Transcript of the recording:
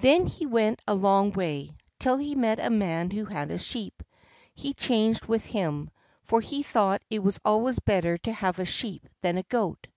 Then he went a long way, till he met a man who had a sheep. He changed with him, for he thought it was always better to have a sheep than a goat.